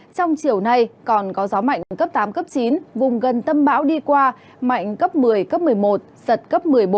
trong chiều nay còn có gió mạnh cấp tám cấp chín vùng gần tâm bão đi qua mạnh cấp một mươi cấp một mươi một giật cấp một mươi bốn